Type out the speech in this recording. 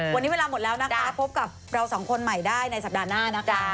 วันนี้เวลาหมดแล้วนะคะพบกับเราสองคนใหม่ได้ในสัปดาห์หน้านะคะ